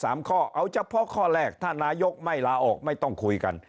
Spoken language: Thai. ข้อเอาเฉพาะข้อแรกถ้านายกไม่ลาออกไม่ต้องคุยกัน